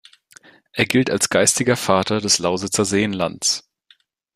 Er gilt als geistiger Vater des Lausitzer Seenlands.